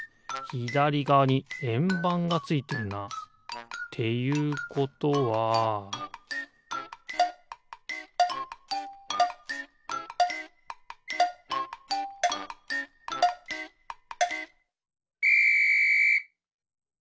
ひだりがわにえんばんがついてんな。っていうことはピッ！